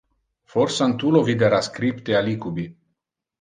Forsan tu lo videra scripte alicubi.